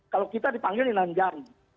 kalau kita dipanggil enam jam